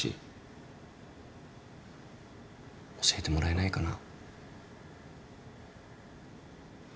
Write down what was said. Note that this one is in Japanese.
教えてもらえないかな？